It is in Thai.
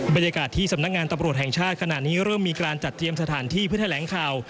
บรรยากาศที่สำนักงานตำรวจแห่งชาติขณะนี้เริ่มมีการจัดเตรียมสถานที่เพื่อแถลงข่าว